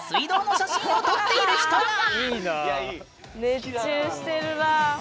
熱中してるなあ！